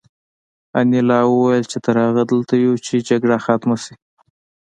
انیلا وویل چې تر هغې دلته یو چې جګړه ختمه شي